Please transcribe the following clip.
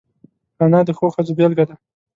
انا د ښو ښځو بېلګه ده